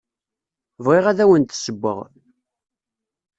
Bɣiɣ ad awen-d-ssewweɣ.